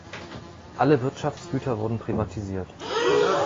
Alle Wirtschaftsgüter wurden privatisiert.